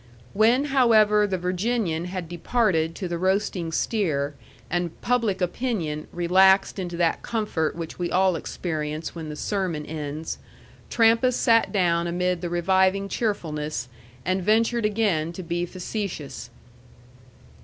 When, however, the Virginian had departed to the roasting steer, and Public Opinion relaxed into that comfort which we all experience when the sermon ends, Trampas sat down amid the reviving cheerfulness, and ventured again to be facetious.